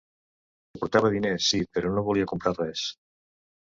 Que portava diners, sí, però no volia comprar res...